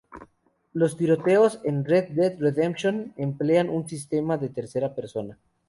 Los tiroteos en "Red Dead Redemption" emplean un sistema de tercera persona.